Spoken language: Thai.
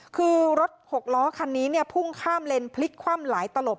คือรถหกล้อคันนี้เนี่ยพุ่งข้ามเลนพลิกคว่ำหลายตลบ